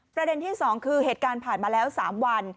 ประเด็นที่๒คือเหตุการณ์ผ่านมาแล้ว๓วัน